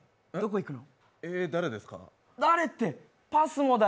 誰ですか？